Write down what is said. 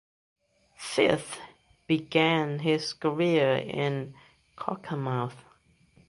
Firth began his career with Cockermouth.